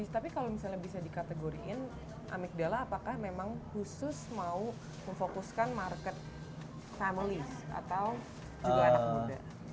tapi kalau misalnya bisa dikategoriin amigdala apakah memang khusus mau memfokuskan market family atau juga anak muda